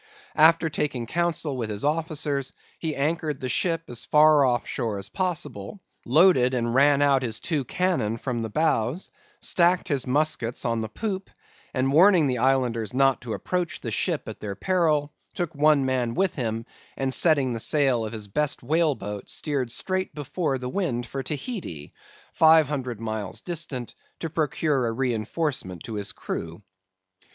After taking counsel with his officers, he anchored the ship as far off shore as possible; loaded and ran out his two cannon from the bows; stacked his muskets on the poop; and warning the Islanders not to approach the ship at their peril, took one man with him, and setting the sail of his best whale boat, steered straight before the wind for Tahiti, five hundred miles distant, to procure a reinforcement to his crew.